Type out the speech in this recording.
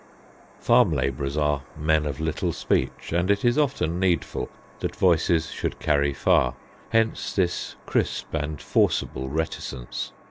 Farm labourers are men of little speech, and it is often needful that voices should carry far. Hence this crisp and forcible reticence.